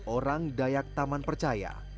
orang dayak taman percaya